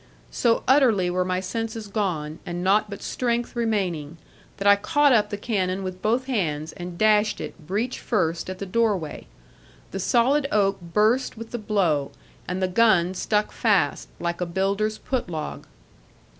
So utterly were my senses gone, and naught but strength remaining, that I caught up the cannon with both hands, and dashed it, breech first, at the doorway. The solid oak burst with the blow, and the gun stuck fast, like a builder's putlog.